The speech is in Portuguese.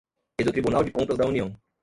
e do Tribunal de Contas da União;